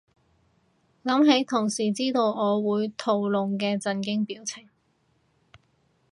諗起同事知道我會屠龍嘅震驚表情